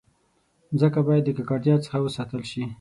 مځکه باید د ککړتیا څخه وساتل شي.